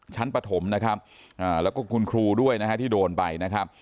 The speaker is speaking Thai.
ปฐมนะครับแล้วก็คุณครูด้วยนะฮะที่โดนไปนะครับ